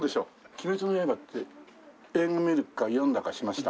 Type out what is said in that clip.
『鬼滅の刃』って映画見るか読んだかしました？